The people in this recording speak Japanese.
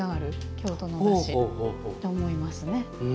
京都のおだしだと思いますね。